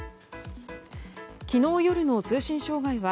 昨日夜の通信障害は